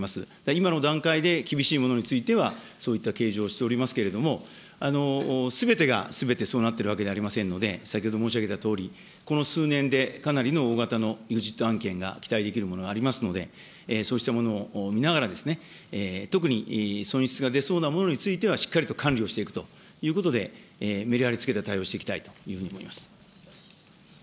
今の段階で厳しいものについては、そういった計上をしておりますけれども、すべてがすべてそうなってるわけではありませんので、先ほど申し上げたとおり、この数年でかなりの大型のイグジット案件が期待できるものありますので、そうしたものを見ながら、特に損失が出そうなものについては、しっかりと管理をしていくということで、メリハリつけた対応していきたいというふうに思います。